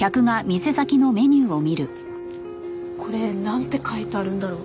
これなんて書いてあるんだろう？